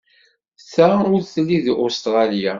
Ta ur telli d Ustṛalya.